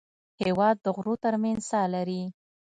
هېواد د غرو تر منځ ساه لري.